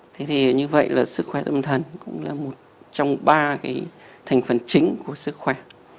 thế thì như vậy là sức khỏe tâm thần cũng là một trong ba cái thành phần chính của sức khỏe